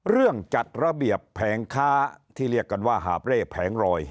จัดระเบียบแผงค้าที่เรียกกันว่าหาบเร่แผงรอย